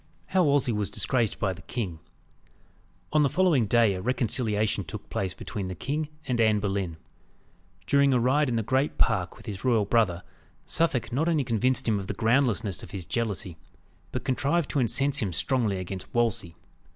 XII. How Wolsey was disgraced by the King. On the following day, a reconciliation took place between the king and Anne Boleyn. During a ride in the great park with his royal brother, Suffolk not only convinced him of the groundlessness of his jealousy, but contrived to incense him strongly against Wolsey.